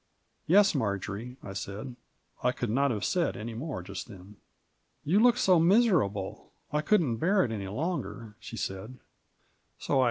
" Yes, Marjory," I said ; I could not have said any more just then. "You look so miserable, I couldn't bear it any longer," she said, "so I